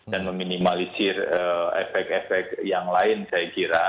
dan meminimalisir efek efek yang lain saya kira